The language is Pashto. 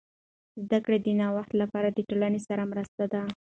زده کړه د نوښت لپاره د ټولنې سره مرسته ده.